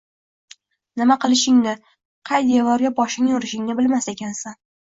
Nima qilishingni, qay devorga boshingni urishingni bilmas ekansan.